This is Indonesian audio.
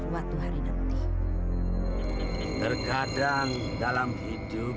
suatu hari nanti terkadang dalam hidup